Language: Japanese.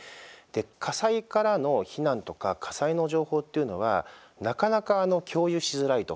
で、火災からの避難とか火災の情報というのはなかなか共有しづらいと。